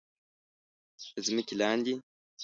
د ځمکې لاندې